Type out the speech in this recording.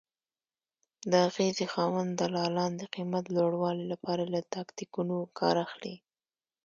د اغېزې خاوند دلالان د قیمت لوړوالي لپاره له تاکتیکونو کار اخلي.